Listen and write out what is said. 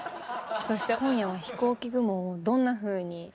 そして今夜は「ひこうき雲」をどんなふうに？